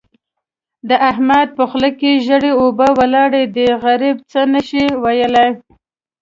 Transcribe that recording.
د احمد په خوله کې ژېړې اوبه ولاړې دي؛ غريب څه نه شي ويلای.